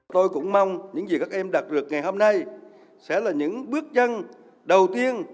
tôi cũng mong những gì các em đạt được ngày hôm nay sẽ là những bước chân đầu tiên